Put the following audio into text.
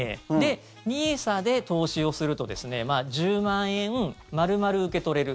ＮＩＳＡで投資をすると１０万円、丸々受け取れる。